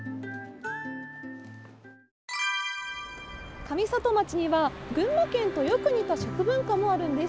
上里町には群馬県とよく似た食文化もあるんです。